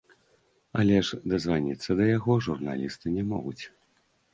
Але ж дазваніцца да яго журналісты не могуць.